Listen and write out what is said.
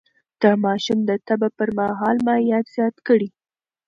د ماشوم د تبه پر مهال مايعات زيات کړئ.